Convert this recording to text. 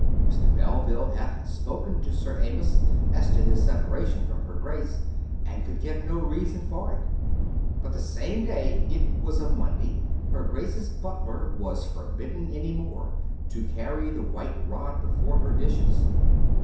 Mr. Mel ville hath spoken to Sir Amyas as to his separation from her Grace, and could get no reason for it. But the same day — it was of Monday — her Grace's butler was forbidden any more to carry the white rod before her dishes.